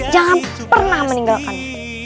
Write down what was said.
jangan pernah meninggalkannya